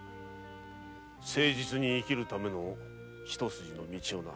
誠実に生きるための一筋の道をな。